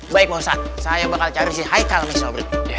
baik pak ustadz saya bakal cari si haikal sama sobri